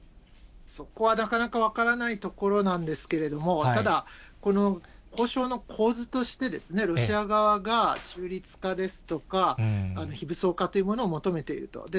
そこはなかなか分からないところなんですけれども、ただ、交渉の構図として、ロシア側が中立化ですとか、非武装化というものを求めていると。